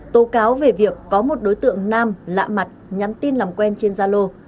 tố cáo về việc có một đối tượng nam lạ mặt nhắn tin làm quen trên gia lô